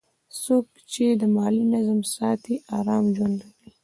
څوک چې مالي نظم ساتي، آرام ژوند لري.